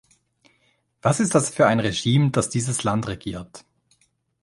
Was ist das für ein Regime, das dieses Land regiert?